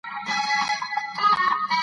نه نیژدې او نه هم لیري بله سره غوټۍ ښکاریږي